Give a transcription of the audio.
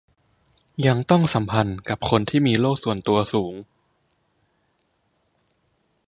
ยังต้องสัมพันธ์กับคนที่มีโลกส่วนตัวสูง